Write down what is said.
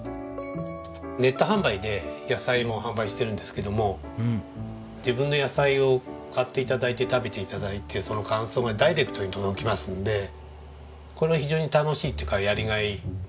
ネット販売で野菜も販売してるんですけども自分の野菜を買って頂いて食べて頂いてその感想がダイレクトに届きますのでこれは非常に楽しいっていうかやりがいも感じますし。